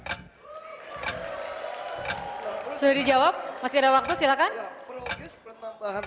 sudah dijawab masih ada waktu silahkan